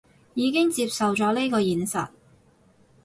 已經接受咗呢個現實